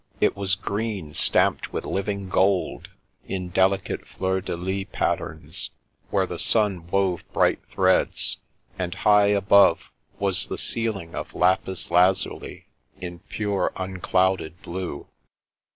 It was green stamped with living gold, in delicate fleur de lis patterns where the sun wove bright threads; and high above was the ceiling of lapis lazuli, in pure unclouded blue.